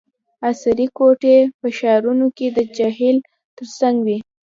عصري کوټي په ښارونو کې د جهیل ترڅنګ وي